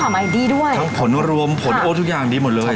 มันมีความหมายดีด้วยทั้งผลรวมผลโว้ทุกอย่างดีหมดเลย